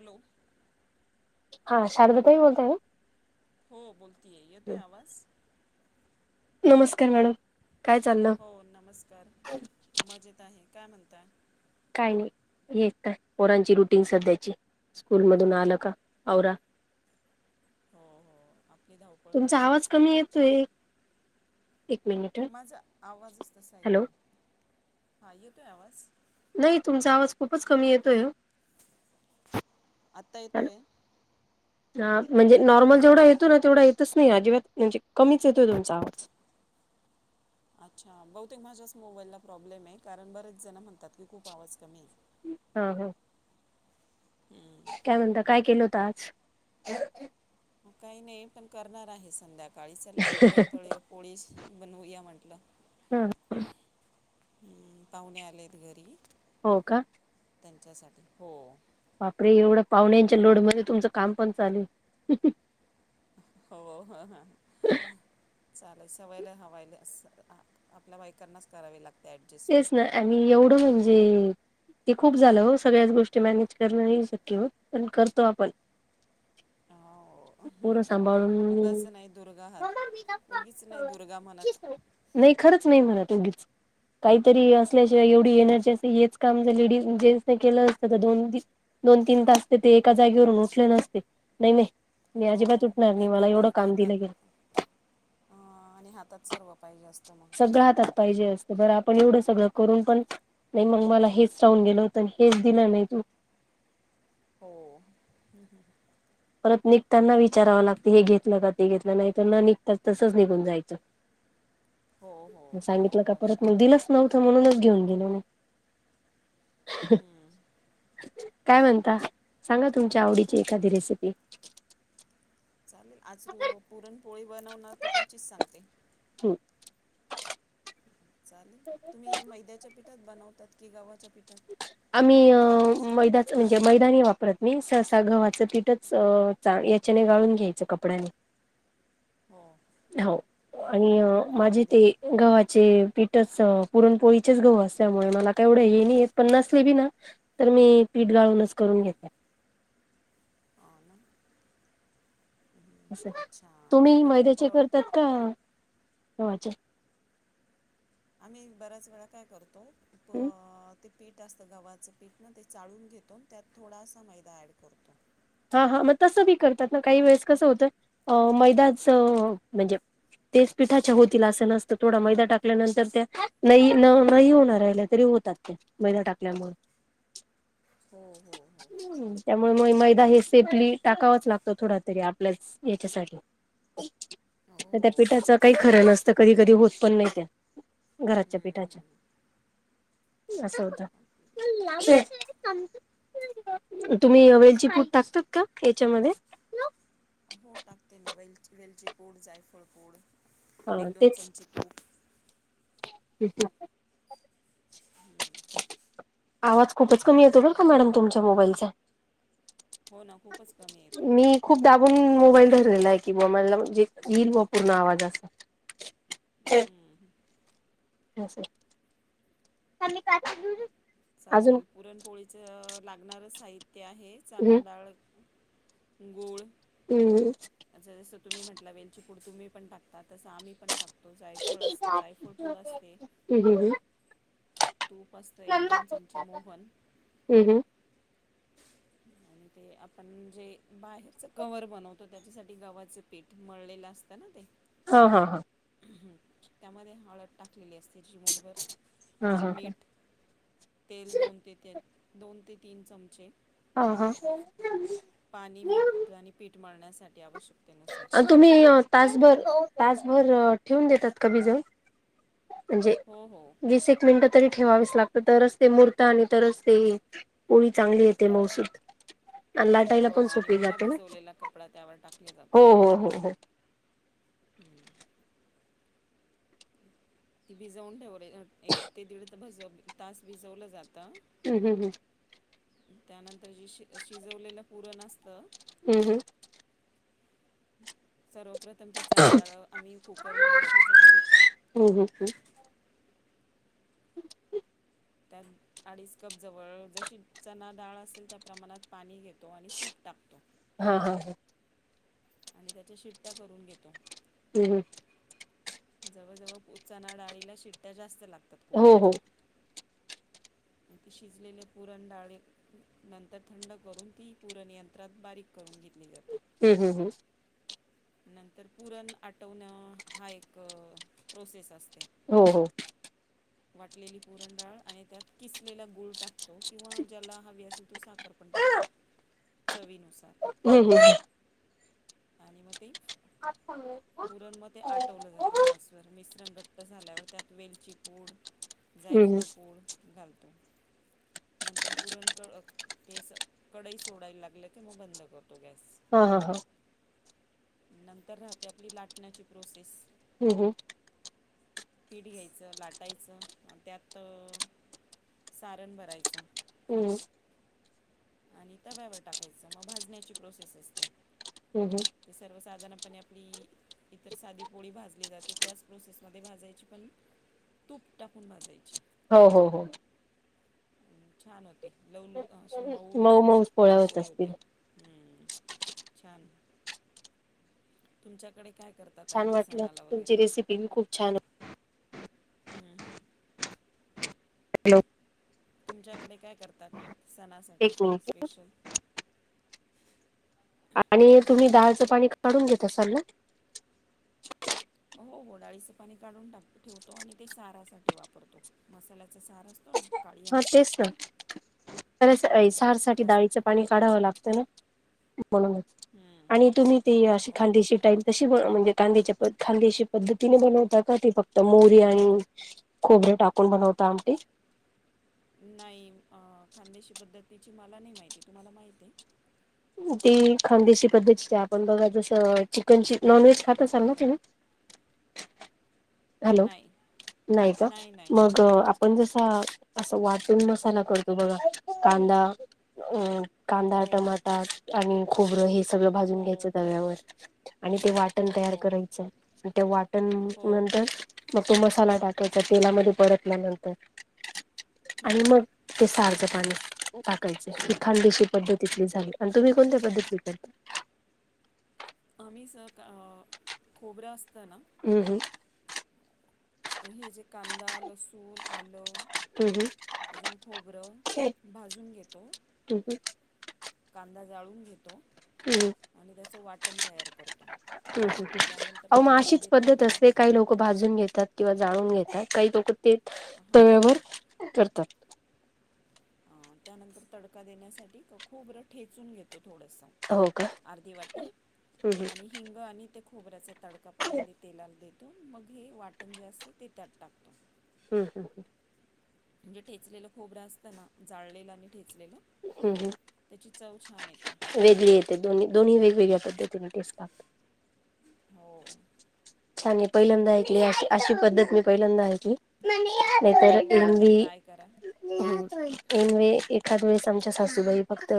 [inaudible] Hello [inaudible] हा शारदताई बोलत हो बोलती आहे येतोय आवाज [inaudible] [inaudible] नमस्कार मॅडम काय चाललं? [inaudible] हो नमस्कार मजेत आहे काय म्हणताय [inaudible] काही नाही हे काय पोरांची रुटीन सध्याची स्कूल मधून आलं का आवरा हो हो आपली धावपळता तुमचा आवाज असतेच कमी नेहमीची येतोय एक मिनिट हं माझा आवाजच तसा हॅलो. येतोय हा येतोय आवाज नाही तुमचा आवाज खूपच कमी येतोय वो आता येतोय ह म्हणजे नॉर्मल जेवढा येतो ना तेवढा येतच नाही अजिबात म्हणजे कमीच येतोय तुमचा आवाज [inaudible] अच्छा बहुतेक माझ्याच मोबाईलला प्रॉब्लेम आहे कारण बरेच जण म्हणतात की खूप आवाज कमी आहे ह हम हम्म काय म्हणता काय केलं होत आज मग काही नाही पण करणार आहे संध्याकाळी चाललाय पुरणपोळी पोळीस बनवूया म्हटलं हम् हम्म पाहुणे आलेत घरी हो का त्यांच्यासाठी हो. बापरे! एवढं पाहुण्यांच्या लोड मध्ये तुमचं काम पण चालूए. [inaudible] हो हा ह चालेल, सवायला हवायला अस. आ आपल्या बाईकांनाच करावी लागते. तेच ॲडजस्टमेंट ना आणि एवढं म्हंजे अ ते खूप झालं हो, सगळ्याच गोष्टी मॅनेज करणं नाही शक्य होत, पण करतो आपण. हो [inaudible] मुलं उगाच सांभाळून नाही दुर्गा हात उगीच नाही दुर्गा म्हणत [inaudible] नाही खरंच नाही म्हणत उगीच, काहीतरी असल्याशिवाय हम्म. एवढी एनर्जी अशी येच काम जे लेडीज जेट्स ने केलं असतं तर, दोन दोन तीन तास ते ते एका जागेवरून उठले नसते. नाही नाही. मी अजिबात हो उटणार नाही मला एवढं काम दिलं गेल. अ आणि हातात सर्व पाहिजे असत मग. सगळं हातात पाहिजे असतं बरं आपण एवढं सगळं करून पण नाही, मग मला हेच राहून गेलं होत, हेच दिलं नाही तू [inaudible] हो अ. परत निघताना विचारावं लागत, हे घेतलं का? ते घेतलं, नाही तर न निघ, तसच निघून जायचं. हो हो सांगितलं का बरोबर परत? मी दिलंच नव्हतं म्हणूनच. घेऊन गेलो मग हम्म. काय म्हणता? सांगा तुमच्या आवडीची एखादी रेसिपी? ह. आजू पुरणपोळी बनवणार तर त्याचीच सांगते. हम्. चालेल तुम्ही मैद्याच्या पीठात बनवतात. कि गव्हाच्या. पिठात आम्ही अ. मैदाच म्हणजे मैदानी नाही वापरत. मी सहसा गव्हाचं पिटच याच्याने गाळून घ्यायचं कप. कपड्यांने. हो हो हो हो आणि हो माझे अगदी ते गव्हाचे पीठ. पुरणपोळीचेच घाऊ असल्यामुळे मला काय एवढं हे नाही येत. पन्नास लेबी ना तर मी पीठ गाळूनच करून घेते. हो ना हम्म, अच्छा तर तुम्ही पुरण मैद्याचे प करतात का? गव्हाचे. आम्ही बऱ्याच वेळा काय करतो प ते. पीठ असतं गव्हाचं. पीठ ना ते चाळून घेतो. त्यात थोडासा मैदा ऍड करतो. हा. हा. मग तसं बी करतात ना. काही वेळेस कसं होतं अ मैदाच म्हणजे. तेच पिठाच्या होतील असं नसतं. थोडा मैदा टाकल्यानंतर त्या नाही न नाही होणार राहिल्या तरी. होतात मैदा टाकल्यामुळे. हो हो हो. मैदा हे सेफली टाकावच लागतो. थोड तरी आपल्या याच्यासाठी. तर त्या हो पिठाच. काही खरं नसतं. कधी-कधी होत पण नाही त्या घरातल्या हम्म पिठाच्या. हम्म. असं होत. तुम्ही वेलची पूड. टाकतात का याच्यामध्ये? हो टाकते ना वेलची-वेलची पूड, जायफळ पूड, एक-दोन चमचे तूप. पीठया आवाज खूपच कमी येतो बर का मॅडम तुमच्या मोबाईलचा. हो ना खूपच कमी येतो. मी खूप दाबून मोबाईल ठरलेला आहे की मोबाईलला म्हणजे येईल म पूर्ण आवाज असा हम्म. हे असा आहे. [inaudible] कमी कट चालेल पुरणपोळीच लागणार साहित्य आहे चना हम् डाळ गुळ हम्म. तुम्ही म्हणला वेलची पूड तुम्हीपण टकतात. तस आम्ही पण टाकतो जायफळ अस जायफळ पुड असते. हम् तूप असतं एक दोन चमचे मोहन हम् आणि ते [inaudible] आपण जे बाहेरच कवर बनवतो, त्याच्यासाठी गव्हाच पीठ मळलेलं असतं ना ते हा हा हा. त्यामध्ये हळद टाकलेली अस चिमुठभर हा हा मीठ तेल दोन ते ते दोन ते तीन चमचे हा हा. पाणी मीठ आणि पीठ मळण्यासाठी आवश्यक अ तुम्ही तासभर, तासभर ठेवून देतात का भिजत? म्हणजे हो हो वीस एक मिनिटं तरी ठेवावीस लागत तरच ते मूरत आणि तरच ते पोळी चांगली येते मऊसुत. [inaudible] हो आणि ओला भिजवलेला कपडा त्यावर टाकले जातात. हो हो हो. ती भिजवून ठेव एक क ते दीड भज तास भिजवलं जातं. हम्म हम्म हम्म. त्यानंतर जे शि अ शिजवलेलं पुरण असतं हम्म हम्म. सर्व प्रथम ती चणा डाळ आम्ही कुकरमधनं शिजवून घेतो. हम्म हम्म हम्म हम्म त्यात अडीच कप जवळ जशी चणा डाळ असेल त्या प्रमाणात पाणी घेत तो आणि तूप टाकतो हा हा हा आणि त्याच्या शिट्टया करून घेतो हम्म हम्म. जवळजवळ उ चणा डाळीला शिट्टया जास्त लागतात हो हो कुकरच्या. [inaudible] ते शिजलेले पुरण डाळी नंतर थंड करून ती पुरण यंत्रात बारीक करून घे हम्म हम्म हम्म. नंतर पुरण आटवणं हा एक प्रोसेस असते. हो हो. वाटलेली पुरणडाळ आणि त्यात किसलेला गुळ टाकतो किंवा ज्याला हवी असेल तो साखर प टाकतो चवी नु हम्म हम्म हम्म. आणि म ते पुरण म ते आटवलं जातं गॅसवर मिश्रण त झाल्यावर त्यात वेलची पूड हम्म जायफळ पूड घालत [inaudible] नंतर पुरण क अ केसं कडई सोडायला लागलं की म बंद करतो गॅस. हा हा. नंतर राहते आपली लाटण्याची प्रोसेस हम्म हम्म. पीठ घ्यायचं लाटायचं अ त्यात सारण भरायचं हम्म. आणि तव्यावर टाकायचं मग भाजण्याची प्रोसेस असते, हम्म ती सर्वसाधारण आणि आपली इतर साधी पोळी भाजली जाते, त्याच प्रोसेसमध्ये भाजायची पण तूप टाकून भाजायची. हो हो हो. छान होती. लवलू अशी मऊ मऊ लुसलुशीत पोळ्या होत पुरणपोळी होते असतील हम्म, छान. तुमच्याकडे काय करतात छान आणखी वाटलं, सणाला वगैरे तुमची रेसिपी बी खूप छान हम् हम्. [unintelligible] तुमच्याकडे काय करतात. सणासाठी, एक मिनिट स्पेशल. आणि तुम्ही, डाळचं पाणी काढून घेत असाल ना? हो- हो, डाळीचं पाणी काढून टाक ठेवतो आणि ते सारासाठी वापरतो. मसाल्या सार असतो ना, काळी आमटी. तरच हम्म, सार साठी, डाळीच त्यासाठी पाणी काढावं लागतं ना? म्हणूनच, हम्म, आणि तुम्ही ते अशी हो खानदेशी टाईप तशी बनव म्हणजे कांद्याच्या प खांद्याशी पद्धतीने बनवता का ते फक्त मोरी आणि खोबरे टाकून बनवत ता आमटी. नाही, आ खानदेशी पद्धतीची मला नाही माहिती, तुम्हाला माहितेय? ती खानदेशी पद्धतीची आपण बघा जसं, चिकनची नॉनव्हेज खात असाल ना तुम्ही? हॅलो, नाही नाही का? मग आपण जसं असं वाटून मसाला करतो बघा कांदा अ कांदा, हो टोमाट ट आणि खोबरं हे सगळं भाजून हो घ्यायच तव्यावर, आणि ते वाटण हो तयार हो करायचं. त्या वाटण हो तर तो, मसाला टाकायचा तेलामध्ये परतल्यानंतर आणि हम्म मग ते सार च पाणी टाकायचं. ही खानदेशी पद्धतीतली झाली. आणि तुम्ही कोणत्या पद्धती करता? आम्ही स का खोबर् अस हम्- हम. ह जे कांदा, लसूण, आलं हम्म अजून खोबरं, हम्म भाजून घेतो हम्म कांदा जाळून घेतो, हम्म आणि त्याचं वाटण तयार करतो. त्यानंतर [unintelligible] अ मग तडका अशीच पद्धत देताना असते. काही लोक भाजून घेतात किंवा जाळून घेतात, काही लोक ते हां हां तव्यावर करतात. त्यानंतर तडका देण्यासाठी खोबर ठेचून घेतो. थोडंस, हो का अर्धी वाटी हम्म हम्म आणि हिंग आणि ते खोबऱ्याचं तडका पहिल्यांदि तेलाल देतो, मग हे वाटण जे असतं ते त्यात टाकतो. हम्, हम्, हम्. म्हणजे ठेचलेलं खोबरं असत ना, जाळलेलं आणि ठेचलेलं, हम्म हम्म त्याची चव छान येते हिंग वेगळी येते. दोन्ही -दोन्ही वेगवेगळ्या पद्धतीने टेस्ट लागतात. हो छान मी आणि पहिल्यांदा म्हणजे ऐकली एक स- अशी - अशी पद्धत मी पहिल्यांदा ऐकली. [inaudible] हे हो तर एकदा एवढी ट्राय करा [inaudible] हो एन वेळी, एखाद वेळेस, आमच्या सासूबाई फक्त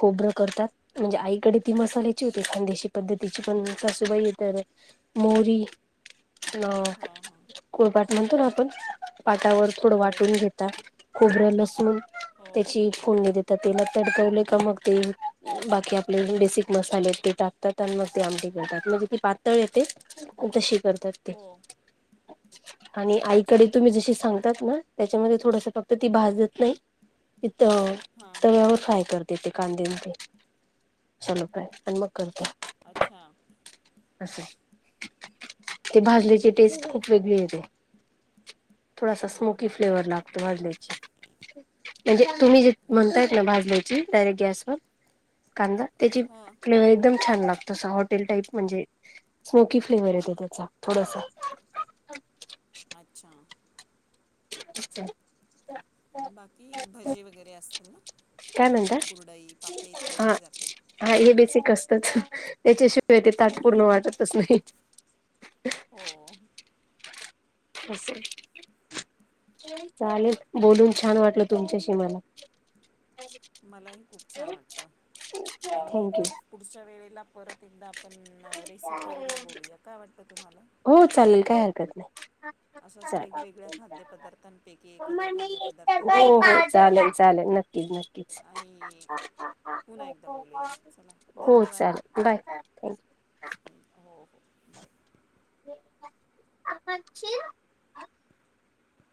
खोबरं अ करतात, म्हणजे आईकडे ती मसाल्याची होती खानदेशी पद्धतीची, पण सासूबाई तर मोरी अ हां हां कोळबाट म्हणतो ना? आपण पाटावर थोडं हो वाटून घेतात. खोबरं, लसूण हो त्याची हो फोडणी देतात. तेलात तडकवले का मग ते बाकी आपले बेसिक मसालेय त ते टाकतात, आणि मग ते आमटी करतात. कि ते पातळ येते. तशी करतात ते, हो आणि अच्छा आईकडे तुम्ही अच्छा जशी सांगतात ना त्याच्यामध्ये थोडस, फक्त ती भाजत नाही. तर हां तव्यावर फ्राय करतेे, ते कांदे न ते. शालो फ्राय आणि मग करतो. अच्छा [inaudible] असं. ते भाजलेची टेस्ट खूप वेगळी येते. थोडासा हां स्मोकी हां ते फ्लेवर लागतो भाजल्याची. म्हणजे तुम्ही जे अच्छा म्हणतायत ना भाजल्याची डायरेक्ट गॅसवर कांदा त्याची हां फ्लेवर एकदम छान लागतो असा हॉटेल टाईप म्हणजे स्मोकी फ्लेवर येतो त्याचा थोडसा. अच्छा. अच्छा. बाकी भजी वगैरे असतील ना. काय म्हणतात? भजी कुरडई पापडी तळली जाते हा हे बेस ए. त्याच त्याच्या शिवाय ते ताट पूर्ण वाटतच नाही. हो [inaudible] असं आहे. चालेल बोलून छान वाटलं तुमच्याशी मला. मलाही खूप छान वाटत, [inaudible] आणि थँक्यू निक पुढच्या वेळेला परत एकदा पण अ रेसिपीवरच बोलूया काय वाटतं तुम्हाला, हो चालेल काय हरकत नाही. [inaudible] अशाच चाल, वेगवेगळ्या [unintelligible] खाद्यपदार्थांपैकी एखादा मम्मी खाद्यपदार्थ सर्व ही घेऊया पाय चालेल चालेल नक्की की नक्कीच, आणि [unintelligible] पुन्हा एकदा बोलूया चला हो धन्यवाद. चालेल बाय थँक्यू [inaudible] [unintelligible] हो-हो, [unintelligible] आपण खेऊ, [unintelligible]